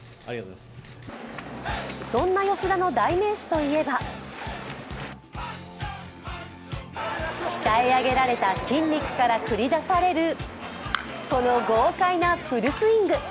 そんな吉田の代名詞といえば鍛え上げられた筋肉から繰り出されるこの豪快なフルスイング。